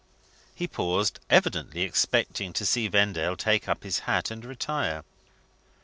He paused, evidently expecting to see Vendale take up his hat and retire.